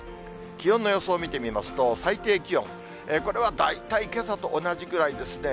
気温の予想を見てみますと、最低気温、これは大体、けさと同じぐらいですね。